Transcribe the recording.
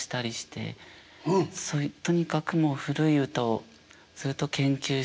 とにかくもう古い歌をずっと研究して。